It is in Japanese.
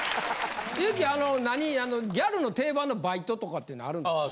ゆきギャルの定番のバイトとかっていうのはあるんですか？